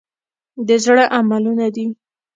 د زړه عملونه دي .